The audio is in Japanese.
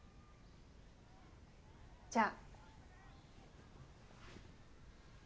じゃあ。